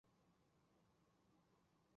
黄龙尾为蔷薇科龙芽草属下的一个变种。